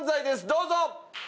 どうぞ！